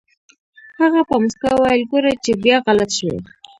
هغه په موسکا وويل ګوره چې بيا غلط شوې.